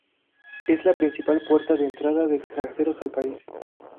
Es la principal puerta de entrada de extranjeros al país.